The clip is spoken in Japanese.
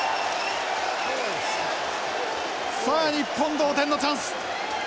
さあ日本同点のチャンス。